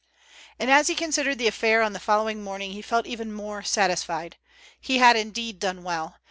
And as he considered the affair on the following morning he felt even more satisfied. He had indeed done well!